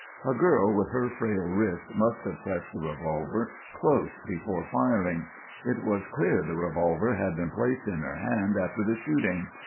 A girl with her frail wrist must have pressed the revolver close before firing. It was clear the revolver had been placed in her hand after the shooting.